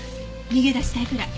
逃げ出したいくらい。